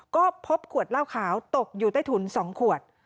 ก็พบขวดเหล้าขาวตกอยู่ใต้ถุน๒ขวด